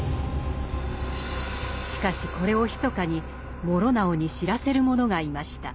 しかしこれをひそかに師直に知らせる者がいました。